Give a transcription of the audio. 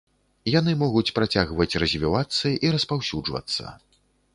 Яны могуць працягваць развівацца і распаўсюджвацца.